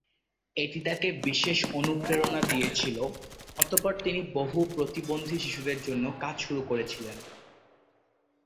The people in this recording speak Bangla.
এটি তাঁকে বিশেষ অনুপ্রেরণা দিয়েছিল, অতঃপর তিনি বহু প্রতিবন্ধী শিশুদের জন্য কাজ শুরু করেছিলেন।